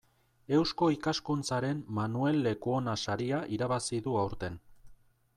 Eusko Ikaskuntzaren Manuel Lekuona saria irabazi du aurten.